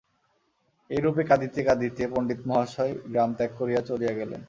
এইরূপে কাঁদিতে কাঁদিতে পণ্ডিতমহাশয় গ্রাম ত্যাগ করিয়া চলিয়া গেলেন।